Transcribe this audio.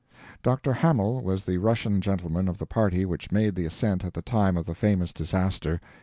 Dr. Hamel was the Russian gentleman of the party which made the ascent at the time of the famous disaster.